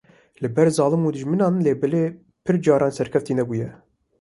li ber zalim û dijminan lê pir caran serkeftî nebûye.